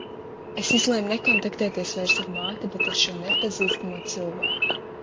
Es izlēmu nekontaktēties vairs ar māti, bet ar šo nepazīstamo cilvēku.